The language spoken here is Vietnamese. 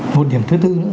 một điểm thứ tư nữa